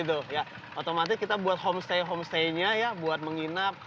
otomatis kita buat homestay homestaynya ya buat menginap